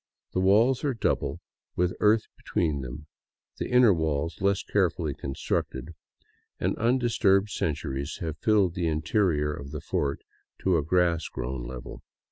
The walls are double, with earth between them, the inner wall less carefully con structed ; and undisturbed centuries have filled the interior of the fort to a grass grown level.